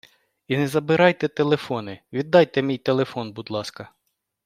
І не забирайте телефони, віддайте мій телефон, будь ласка.